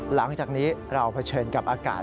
หลังจากนี้เราเผชิญกับอากาศ